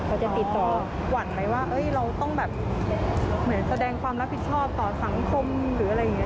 จะติดต่อหวั่นไหมว่าเราต้องแบบเหมือนแสดงความรับผิดชอบต่อสังคมหรืออะไรอย่างนี้